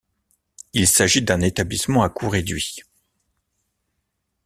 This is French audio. Il s'agit d'un établissement à coût réduit.